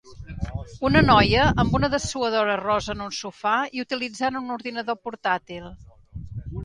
Una noia amb una dessuadora rosa en un sofà i utilitzant un ordinador portàtil.